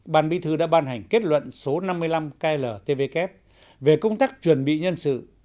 ban bí thư đã ban hành kết luận số năm mươi năm kltvk về công tác chuẩn bị nhân sự